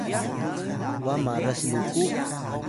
wa maras ruku?